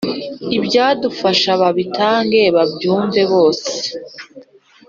ibyadufasha babitange babyumve bose